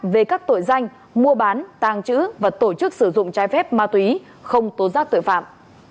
về các tội danh mua bán tàng trữ và tổ chức sử dụng trái phép ma túy không tố giác tội phạm